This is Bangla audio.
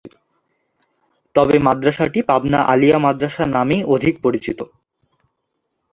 তবে মাদ্রাসাটি পাবনা আলিয়া মাদ্রাসা নামেই অধিক পরিচিত।